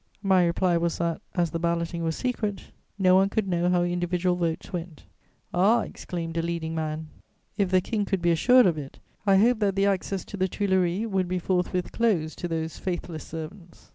My reply was that, as the balloting was secret, no one could know how individual votes went. "'Ah,' exclaimed a leading man, 'if the King could be assured of it, I hope that the access to the Tuileries would be forthwith closed to those faithless servants.'